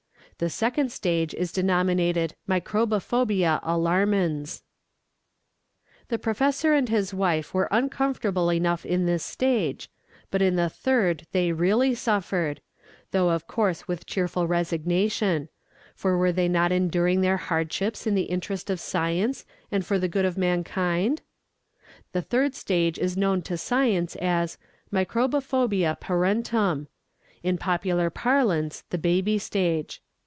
The second stage is denominated microbophobia alarmans. The professor and his wife were uncomfortable enough in this stage, but in the third they really suffered, though of course with cheerful resignation; for were they not enduring their hardships in the interest of science and for the good of mankind? The third stage is known to science as microbophobia parentum; in popular parlance, the baby stage.